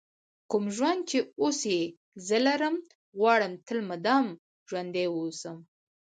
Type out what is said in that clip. کوم ژوند چې اوس یې زه لرم غواړم تل مدام ژوندی ووسم.